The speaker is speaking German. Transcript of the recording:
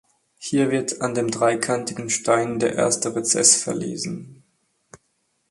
Hier wird an dem dreikantigen Stein der erste Rezess verlesen.